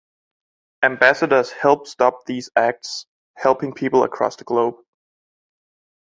Ambassadors help stop these acts, helping people across the globe.